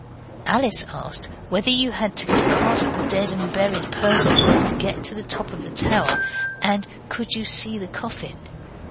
Alice asked whether you had to go past the dead and buried person to get to the top of the tower, and could you see the coffin.